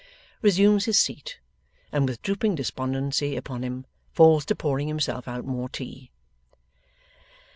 resumes his seat, and with drooping despondency upon him, falls to pouring himself out more tea.